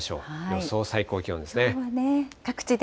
予想最高気温ですね。